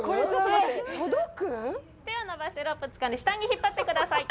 手を伸ばしてロープをつかんで、下に引っ張ってください。